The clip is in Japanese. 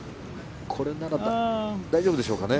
これならば大丈夫でしょうかね。